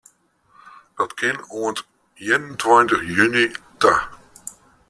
Dat kin oant ien en tweintich juny ta.